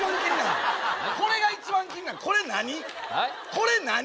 これ何？